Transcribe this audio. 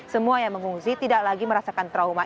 semua yang mengungsi tidak lagi merasakan trauma